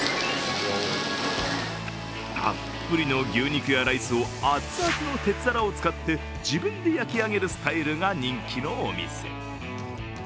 たっぷりの牛肉やライスを熱々の鉄皿を使って自分で焼き上げるスタイルが人気のお店。